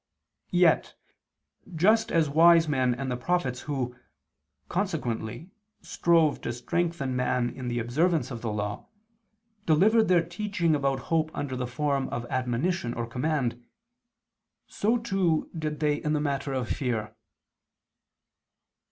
Yet, just as wise men and the prophets who, consequently, strove to strengthen man in the observance of the Law, delivered their teaching about hope under the form of admonition or command, so too did they in the matter of fear.